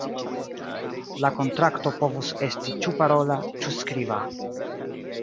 La kontrakto povus esti ĉu parola ĉu skriba.